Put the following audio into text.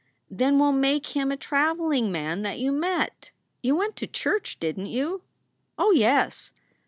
"Then we ll make him a traveling man that you met. You went to church, didn t you?" "Oh yes!"